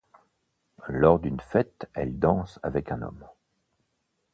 Lors d'une fête, elle danse avec un homme.